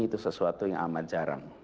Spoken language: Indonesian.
itu sesuatu yang amat jarang